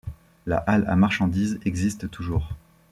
La halle à marchandises existe toujours.